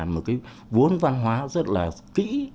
một cái vốn văn hóa rất là kĩ